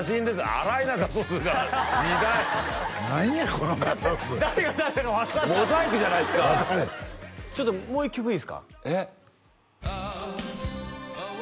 荒いな画素数が時代何やこの画素数誰が誰だか分かんないモザイクじゃないですかちょっともう一曲いいですか？